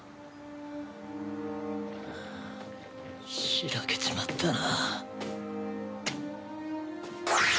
シラけちまったな。